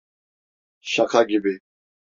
Şaka gibi.